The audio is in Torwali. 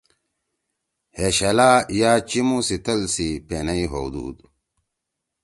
ہے شلا یا چیِمو سی تل سی پینئ ہودُود۔